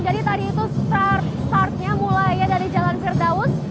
jadi tadi itu mulainya dari jalan firdaus